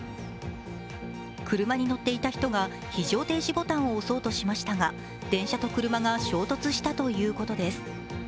車に乗っていた人が非常停止ボタンを押そうとしましたが電車と車が衝突したということです。